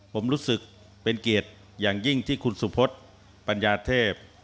ผมรู้สึกเป็นเกียรติอย่างยิ่งที่คุณสุพธปัญญาเทพ